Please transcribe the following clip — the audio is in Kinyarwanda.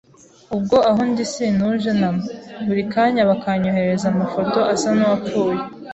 ubwo aho ndi sintuje na mba, buri kanya bakanyoherereza amafoto asa nuwapfuye